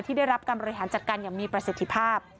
ได้รับการบริหารจัดการอย่างมีประสิทธิภาพ